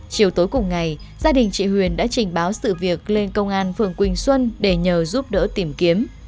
chiều tối cùng ngày gia đình chị huyền đã trình báo sự việc lên công an phường quỳnh xuân để nhờ giúp đỡ tìm kiếm